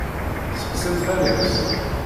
Seqsimt Alex.